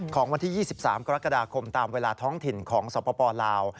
ของวันที่๒๓กรกฎาคมตามเวลาท้องถิ่นของสปลาว